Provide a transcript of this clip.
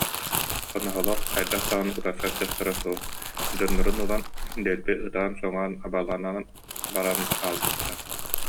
Хоноһолор хайдах даҕаны утарсар кыахтара суох, дьоннорун ылан, дэлби ытаан-соҥоон абаланан баран хаалбыттар